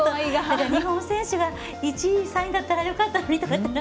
日本選手が１位、３位だったらよかったのにって。